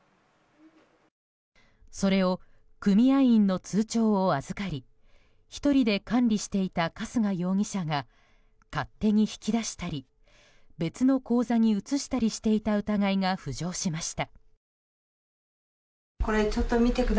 それを組合員の通帳を預かり１人で管理していた春日容疑者が勝手に引き出したり別の口座に移したりしていた疑いが浮上しました。